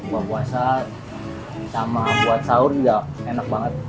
buat puasa sama buat sahur juga enak banget